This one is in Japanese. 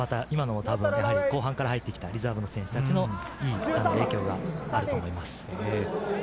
今のも後半から入ってきたリザーブの選手たちの良い影響があると思います。